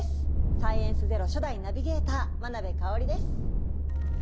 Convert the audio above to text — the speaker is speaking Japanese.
「サイエンスＺＥＲＯ」初代ナビゲーター眞鍋かをりです。